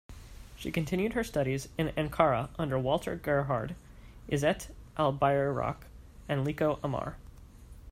She continued her studies in Ankara under Walter Gerhard, Izzet Albayrak and Lico Amar.